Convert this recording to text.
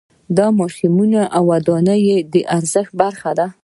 دا د ماشینونو او ودانیو د ارزښت برخه ده